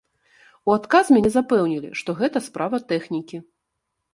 У адказ мяне запэўнілі, што гэта справа тэхнікі.